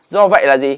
do vậy là gì